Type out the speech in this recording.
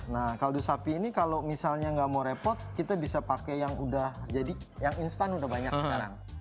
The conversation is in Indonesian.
nah kaldu sapi ini kalau misalnya nggak mau repot kita bisa pakai yang udah jadi yang instan udah banyak sekarang